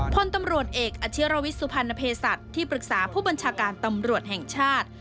พลตำรวจเอกอาชิรวิทย์สุพรรณเพศัตริย์ที่ปรึกษาผู้บัญชาการตำรวจแห่งชาติ